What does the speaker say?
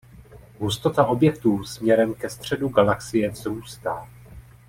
Hustota objektů směrem ke středu galaxie vzrůstá.